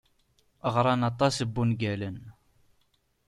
Ɣran aṭas n wungalen.